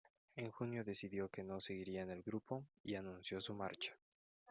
En junio decidió que no seguiría en el grupo y anunció su marcha.